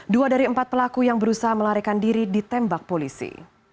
dua dari empat pelaku yang berusaha melarikan diri ditembak polisi